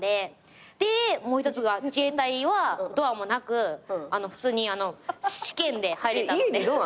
でもう１つが自衛隊はドアもなく普通に試験で入れた。